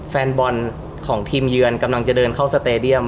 แฟนบอลของทีมเยือนกำลังจะเดินเข้าสเตดียม